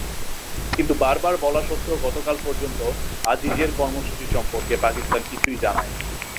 কিন্তু বারবার বলা সত্ত্বেও গতকাল পর্যন্ত আজিজের কর্মসূচি সম্পর্কে পাকিস্তান কিছুই জানায়নি।